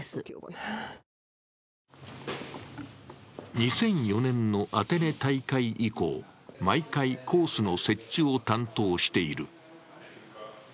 ２００４年のアテネ大会以降、毎回コースの設置を担当している。